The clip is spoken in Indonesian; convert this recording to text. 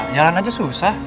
jalan aja susah